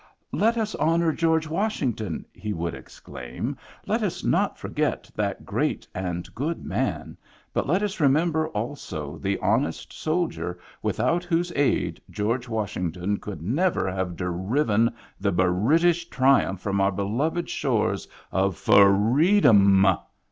" Let us honor George Washington " (he would exclaim), " let us not forget that great and good man ! but let us remember also the honest soldier without whose aid George Washington could never have durriven the Burritish tyrant from our beloved shores of furreedom